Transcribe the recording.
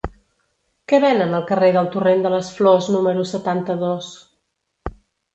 Què venen al carrer del Torrent de les Flors número setanta-dos?